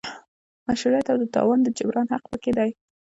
مشروعیت او د تاوان د جبران حق پکې دی.